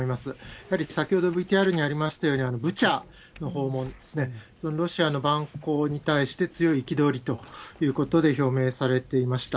やはり先ほど、ＶＴＲにありましたように、ブチャのほうも、そのロシアの蛮行に対して強い憤りということで表明されていました。